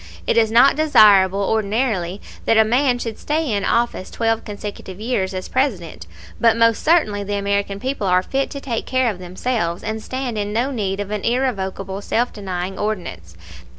It is not desirable ordinarily that a man should stay in office twelve consecutive years as President; but most certainly the American people are fit to take care of themselves, and stand in no need of an irrevocable self denying ordinance.